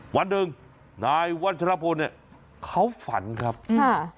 หวันโดยนายวันชันโรโพลเนี้ยเขาฝันครับอืมค่ะ